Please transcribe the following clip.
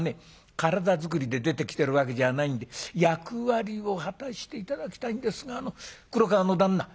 体作りで出てきてるわけじゃないんで役割を果たして頂きたいんですが黒川の旦那